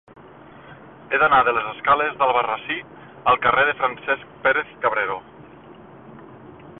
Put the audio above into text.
He d'anar de les escales d'Albarrasí al carrer de Francesc Pérez-Cabrero.